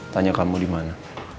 tanya kamu dimana